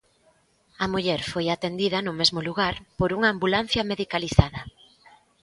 A muller foi atendida no mesmo lugar por unha ambulancia medicalizada.